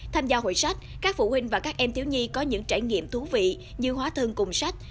tham gia hội sách các phụ huynh và các em thiếu nhi có những trải nghiệm thú vị như hóa thân cùng sách